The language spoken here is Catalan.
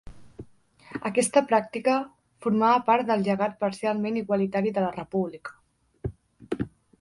Aquesta pràctica formava part del llegat parcialment igualitari de la República.